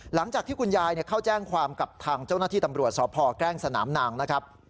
หลังจากที่คุณยายเข้าแจ้งความกับทางเจ้าหน้าที่ตำรวจสพแกล้งสนามนางนะครับ